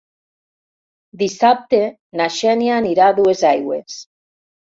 Dissabte na Xènia anirà a Duesaigües.